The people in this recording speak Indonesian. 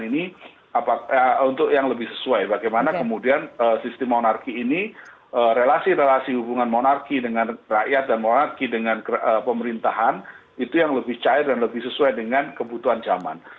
ini untuk yang lebih sesuai bagaimana kemudian sistem monarki ini relasi relasi hubungan monarki dengan rakyat dan monarki dengan pemerintahan itu yang lebih cair dan lebih sesuai dengan kebutuhan zaman